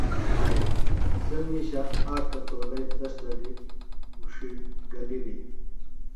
سےۡ مِیشہ اک کتولئیۡ تس ڈڈیۡ اُڇھیۡ گلِلیۡ